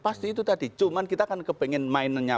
pasti itu tadi cuman kita kan kepengen mainannya